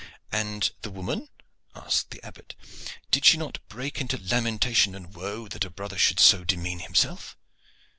"And the woman?" asked the Abbot. "Did she not break into lamentation and woe that a brother should so demean himself?"